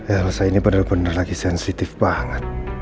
ya rasa ini bener bener lagi sensitif banget